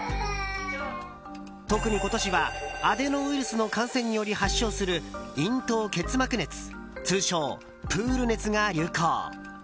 特に今年はアデノウイルスの感染により発症する咽頭結膜熱通称プール熱が流行。